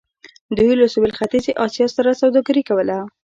دوی له سویل ختیځې اسیا سره سوداګري کوله.